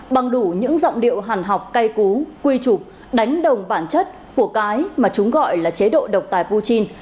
bằng đủ những giọng điệu hàn học cay cú quy trục đánh đồng bản chất của cái mà chúng gọi là chế độ độc tài putin